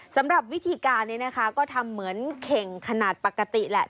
สำหรับวิธีการนี้นะคะก็ทำเหมือนเข่งขนาดปกติแหละ